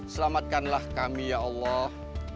selamatkanlah kami ya allah